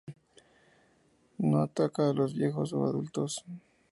No ataca a los viejos o adultos.